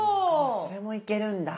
それもいけるんだ。